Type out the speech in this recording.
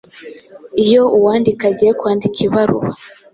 Iyo uwandika agiye kwandika ibaruwa